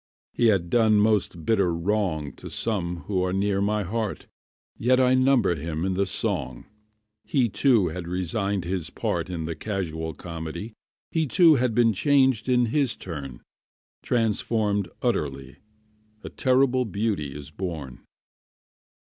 He had done most bitter wrong To some who are near my heart, Yet I number him in the song; He, too, has resigned his part In the casual comedy; He, too, has been changed in his turn, Transformed utterly: A terrible beauty is born.